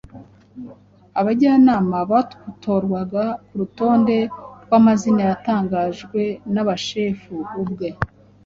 abajyanama batorwaga ku rutonde rw'amazina yatangajwe na sushefu ubwe.